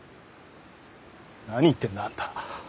何言ってるんだあんた。